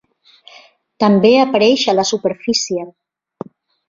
També apareix a la superfície.